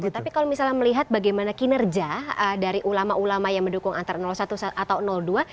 tapi kalau misalnya melihat bagaimana kinerja dari ulama ulama yang mendukung antara satu atau dua